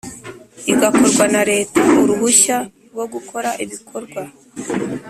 igakorwa na Leta Uruhushya rwo gukora ibikorwa